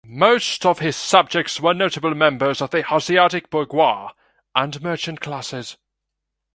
Most of his subjects were notable members of the Hanseatic bourgeoisie and merchant classes.